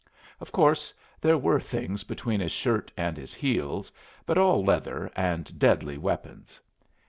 Of course, there were things between his shirt and his heels, but all leather and deadly weapons.